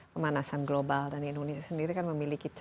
pemanasan global dan indonesia sendiri kan memiliki